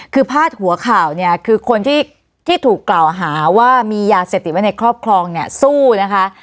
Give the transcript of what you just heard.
คือพาดหัวข่าวเนี่ยคือคนที่ถูกกล่าวหาว่ามียาเสพติดไว้ในครอบครองเนี่ยสู้นะคะ